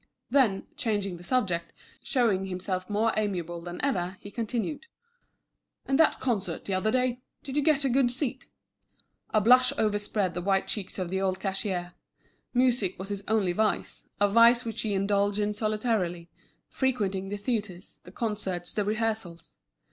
Then, changing the subject, showing himself more amiable than ever, he continued; "And that concert the other day—did you get a good seat?" A blush overspread the white cheeks of the old cashier. Music was his only vice, a vice which he indulged in solitarily, frequenting the theatres, the concerts, the rehearsals.